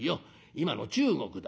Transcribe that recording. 今の中国だ。